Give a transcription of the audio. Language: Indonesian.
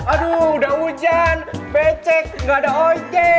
aduh udah hujan pecek ga ada ojek